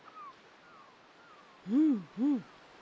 うんうん。